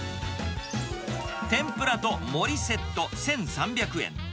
天ぷらともりセット１３００円。